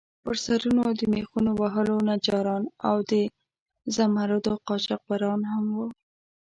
پر سرونو د میخونو وهلو نجاران او د زمُردو قاچاقبران هم وو.